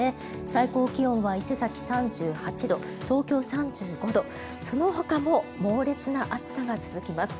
最高気温は伊勢崎、３８度東京、３５度そのほかも猛烈な暑さが続きます。